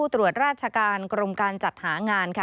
ตรวจราชการกรมการจัดหางานค่ะ